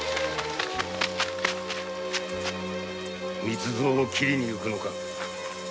光蔵を切りに行くのか？